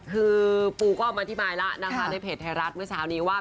คือปูก็ออกมาอธิบายแล้วนะคะในเพจไทยรัฐเมื่อเช้านี้ว่า